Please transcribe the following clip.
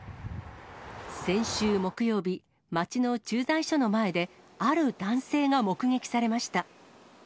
先週木曜日、町の駐在所の前で、ある男性が目撃されました。